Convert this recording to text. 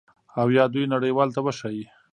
او یا دوی نړیوالو ته وښایي